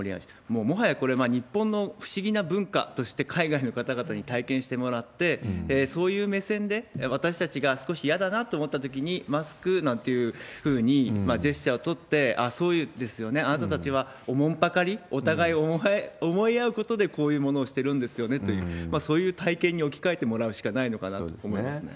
もう、もはやこれは日本の不思議な文化として、海外の方々に体験してもらって、そういう目線で、私たちが少しやだなと思ったときに、マスクなんていうふうにジェスチャーを取って、そういうですよね、あなたたちは慮り、お互いを思い合うことで、こういうものをしてるんですよということを、そういう体験に置き換えてもらうしかないのかなと思いますね。